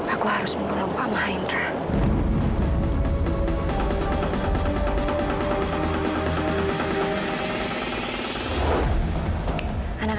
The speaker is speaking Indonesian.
aku harus menolong pak mahendra